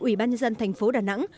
ủy ban nhân dân tp đà nẵng